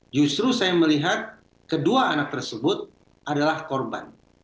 justru saya melihat kedua anak tersebut adalah korban